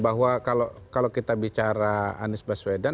bahwa kalau kita bicara anies baswedan